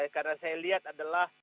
karena saya lihat adalah